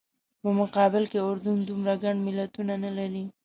په مقابل کې اردن دومره ګڼ ملتونه نه لري.